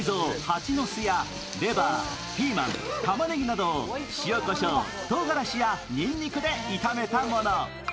ハチノスやレバー、ピーマン、たまねぎなどを塩こしょう、とうがらしやにんにくで炒めたもの。